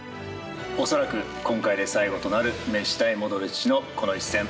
恐らく今回で最後となるメッシ対モドリッチのこの一戦。